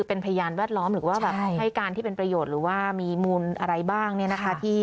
แล้วทำไมผู้หญิงคนนี้ต้องมาร้องตรงนี้